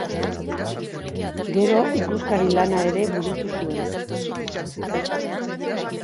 Gero ikuskari lana ere burutu zuen.